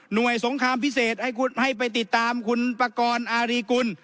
โดยสงครามพิเศษให้ไปติดตามคุณปากรอารีกุล